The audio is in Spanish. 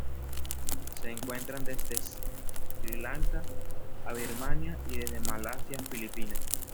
Se encuentran desde Sri Lanka a Birmania y desde Malasia a Filipinas.